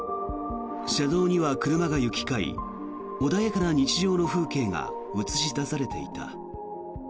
車道には車が行き交い穏やかな日常の風景が映し出されていた。